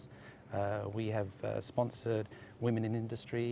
kami telah melibatkan perempuan di industri